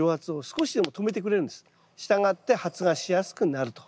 したがって発芽しやすくなると。